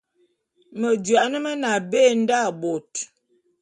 Medouan mene abé nda bot.